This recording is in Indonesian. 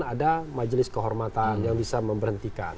ada majelis kehormatan yang bisa memberhentikan